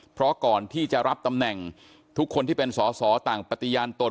เพราะก่อนที่จะรับตำแหน่งทุกคนที่เป็นสอสอต่างปฏิญาณตน